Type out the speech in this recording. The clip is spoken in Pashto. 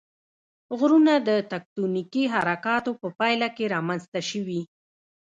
غرونه د تکتونیکي حرکاتو په پایله کې رامنځته شوي.